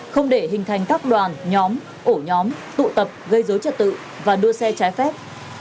không để hình thành các đoàn nhóm ổ nhóm tụ tập gây dối trật tự và đua xe trái phép